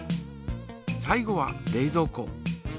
最後は冷ぞう庫。